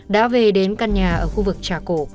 đã về đến căn nhà ở khu vực trà cổ